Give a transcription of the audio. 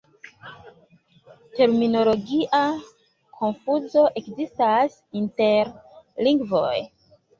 Terminologia konfuzo ekzistas inter lingvoj.